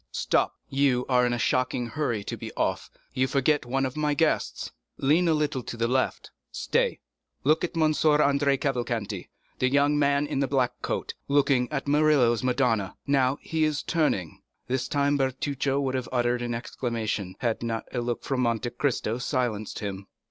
"Stop! You are in a shocking hurry to be off—you forget one of my guests. Lean a little to the left. Stay! look at M. Andrea Cavalcanti, the young man in a black coat, looking at Murillo's 'Madonna'; now he is turning." This time Bertuccio would have uttered an exclamation, had not a look from Monte Cristo silenced him.